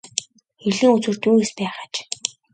Эрлийн үзүүрт юу эс байх аж.